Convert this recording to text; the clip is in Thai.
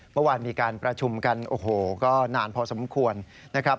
เมื่อวานมีการประชุมกันโอ้โหก็นานพอสมควรนะครับ